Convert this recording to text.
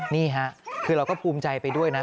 นี่ค่ะคือเราก็ภูมิใจไปด้วยนะ